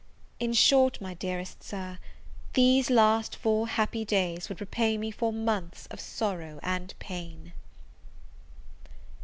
In short, my dearest Sir, these last four happy days would repay me for months of sorrow and pain!